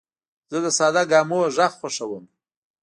زه د ساده ګامونو غږ خوښوم.